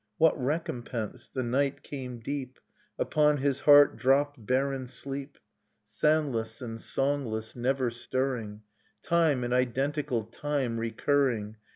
What recompense? — The night came deep, Upon his heart dropped barren sleep. Soundless^ and songless, never stirring, Time and identical tirpe recurring.